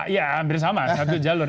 ya hampir sama satu jalur